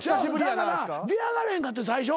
だから出やがれへんかった最初。